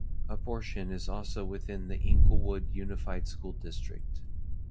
A portion is also within the Inglewood Unified School District.